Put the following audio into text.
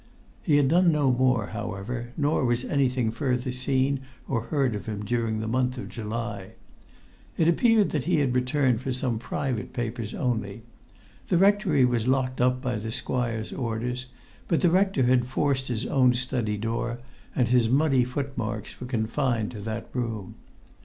He had done no more, however, nor was anything further seen or heard of him during the month of July. It appeared that he had returned for some private papers only. The rectory was locked up by the squire's orders, but the rector had forced his own study door, and his muddy footmarks were confined to that room.